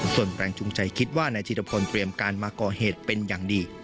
ส่วนแรงจูงใจคิดว่านายธิรพลเตรียมการมาก่อเหตุเป็นอย่างดี